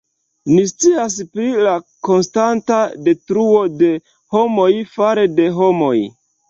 Ni scias pri la konstanta detruo de homoj fare de homoj.